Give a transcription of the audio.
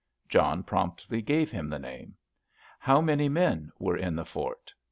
John promptly gave him the name. "How many men were in the fort?"